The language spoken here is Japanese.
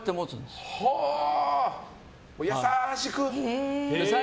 優しく。